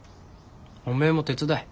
おめえも手伝え。